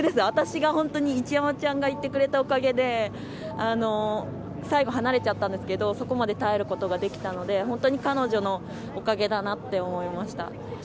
私が一山ちゃんがいてくれたおかげで、最後離れちゃったんですけど、ここまで耐えることができたので、本当に彼女のおかげだなって思いました。